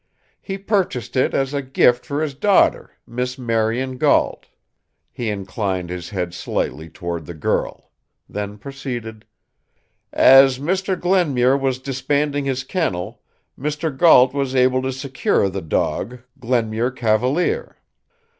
He purchased it as a gift for his daughter, Miss Marion Gault." He inclined his head slightly toward the girl; then proceeded: "As Mr. Glenmuir was disbanding his kennel, Mr. Gault was able to secure the dog Glenmuir Cavalier.